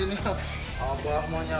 disamberin sama beb beb ayang ayangnya